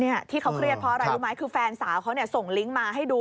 ที่เขาเครียดเพราะอะไรรู้ไหมคือแฟนสาวเขาเนี่ยส่งลิงก์มาให้ดู